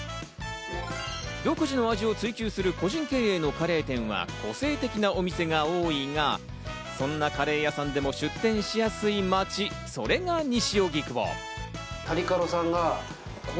独自の味を追求する個人経営のカレー店は個性的なお店が多いが、そんなカレー屋さんでも出店しやすい街、それが西荻窪。